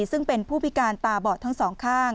ซึ่งเป็นผู้พิการตาบอดทั้งสองข้าง